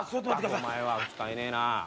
お前は使えねえな。